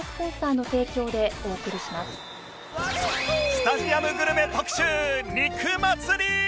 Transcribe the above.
スタジアムグルメ特集肉祭り